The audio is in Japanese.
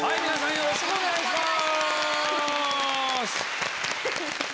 よろしくお願いします。